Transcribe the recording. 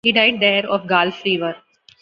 He died there of gall fever.